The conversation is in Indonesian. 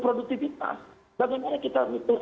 produktivitas bagaimana kita menghitung